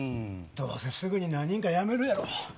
どうせすぐに何人かやめるやろ。